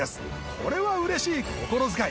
これは嬉しい心遣い！